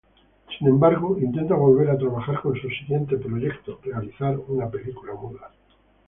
Sin embargo, intenta volver a trabajar con su siguiente proyecto, realizar una película muda.